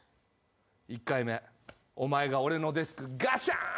１回目お前が俺のデスクガシャーン！